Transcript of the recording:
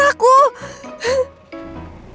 aku belum paham